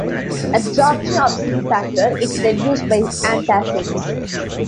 Absorption of cefaclor is reduced by antacids.